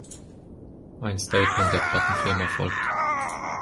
Ein Statement der Plattenfirma folgt.